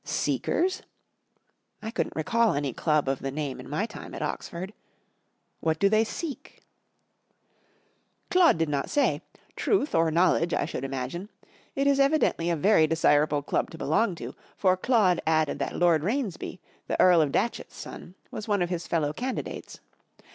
" Seekers ?" I couldn't recall any club of the name in my time at Oxford. " What do they seek ?"" Claude did not say. Truth or Know¬ ledge, I should imagine. It is evidently a very desirable club to belong to, for Claude added that Lord Rainsby, the Earl of Datchet's son, was one oi his fellow candi¬ dates.